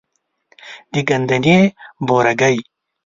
د ګندنې بورګی،